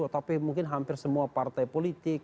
tapi mungkin hampir semua partai politik